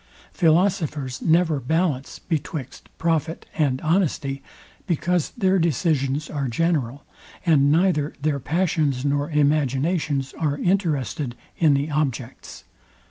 Philosophers never ballance betwixt profit and honesty, because their decisions are general, and neither their passions nor imaginations are interested in the objects.